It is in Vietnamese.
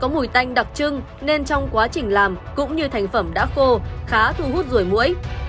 mùi tanh đặc trưng nên trong quá trình làm cũng như thành phẩm đã khô khá thu hút ruồi mũi